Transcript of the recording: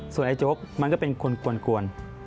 ส่วนไอ้โจ๊กมันก็เป็นคนกวน